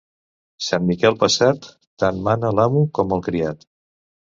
Sant Miquel passat, tant mana l'amo com el criat.